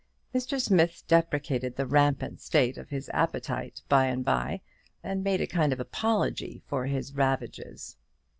Mr. Smith deprecated the rampant state of his appetite by and by, and made a kind of apology for his ravages.